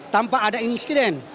tanpa ada insiden